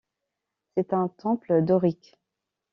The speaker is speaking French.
C'est un temple dorique.